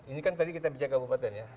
ini kan tadi kita bicara kabupaten ya